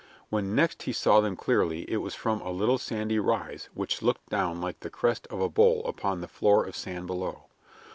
When next he saw them clearly it was from a little sandy rise which looked down like the crest of a bowl upon the floor of sand below.